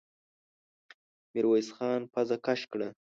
ميرويس خان پزه کش کړه.